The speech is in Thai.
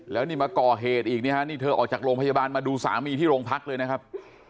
แล้วนี่มาก่อเหตุอีกนี่ฮะนี่เธอออกจากโรงพยาบาลมาดูสามีที่โรงพักเลยนะครับ